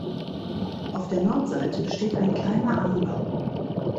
Auf der Nordseite besteht ein kleiner Anbau.